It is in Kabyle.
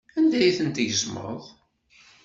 Anda ay ten-tgezmeḍ?